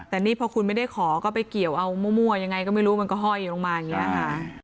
แต่นี่พอคุณไม่ได้ขอก็ไปเกี่ยวเอามั่วยังไงก็ไม่รู้มันก็ห้อยลงมาอย่างนี้ค่ะ